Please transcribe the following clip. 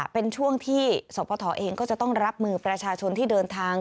เป็นช่วงที่สพเองก็จะต้องรับมือประชาชนที่เดินทาง